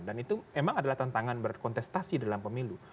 dan itu memang adalah tantangan berkontestasi dalam pemilu